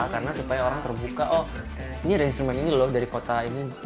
karena supaya orang terbuka oh ini ada instrumen ini loh dari kota ini